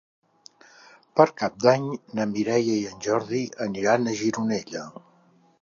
Per Cap d'Any na Mireia i en Jordi aniran a Gironella.